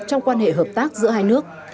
trong quan hệ hợp tác giữa hai nước